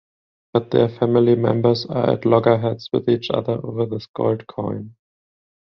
But their family members are at loggerheads with each other over this gold coin.